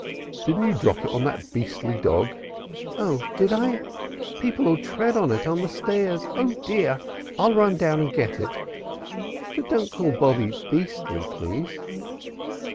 "Didn't you drop it on that beastly dog?" "Oh, did I? People'll tread on it on the stairs. Oh dear! I'll run down and get it. But don't call Bobby beastly, please."